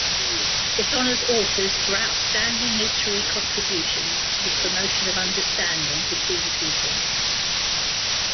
It honours authors for outstanding literary contributions to the promotion of understanding between peoples.